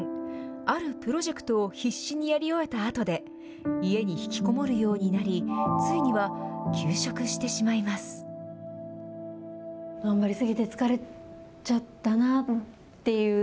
あるプロジェクトを必死にやり終えたあとで、家に引きこもるようになり、ついには休職してしまいます。